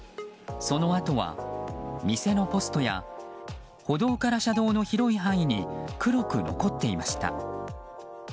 その跡は店のポストや歩道から車道の広い範囲に黒く残っていました。